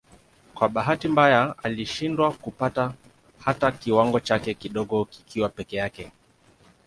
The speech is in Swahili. Kwa bahati mbaya alishindwa kupata hata kiwango chake kidogo kikiwa peke yake.